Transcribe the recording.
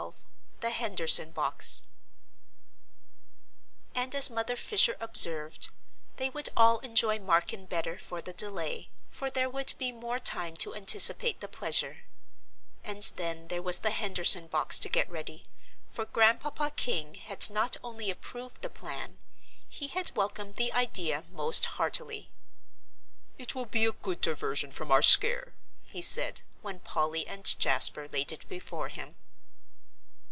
XII THE HENDERSON BOX And as Mother Fisher observed, they would all enjoy Marken better for the delay, for there would be more time to anticipate the pleasure; and then there was the Henderson box to get ready, for Grandpapa King had not only approved the plan; he had welcomed the idea most heartily. "It will be a good diversion from our scare," he said, when Polly and Jasper laid it before him.